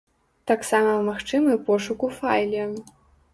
Таксама магчымы пошук у файле.